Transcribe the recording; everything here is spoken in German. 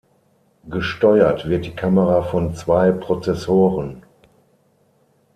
Gesteuert wird die Kamera von zwei Prozessoren.